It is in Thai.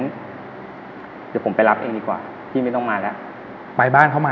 เดี๋ยวผมไปรับเองดีกว่าพี่ไม่ต้องมาแล้ว